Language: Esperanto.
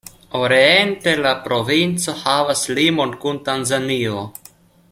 Oriente la provinco havas limon kun Tanzanio.